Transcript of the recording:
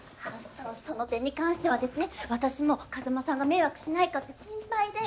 そその点に関してはですね私も風間さんが迷惑しないかって心配で。